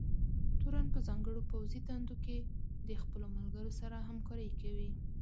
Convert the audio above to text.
تورن په ځانګړو پوځي دندو کې د خپلو ملګرو سره همکارۍ کوي.